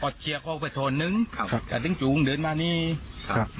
เชียร์เขาไปโทนนึงครับแต่ถึงสูงเดินมานี่ครับ